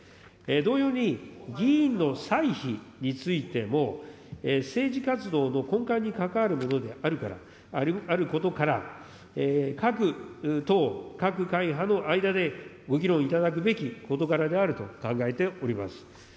同様に、議員の歳費についても、政治活動の根幹に関わるものであることから、各党、各会派の間で、ご議論いただくべき事柄であると考えております。